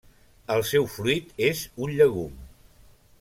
El seu fruit és un llegum.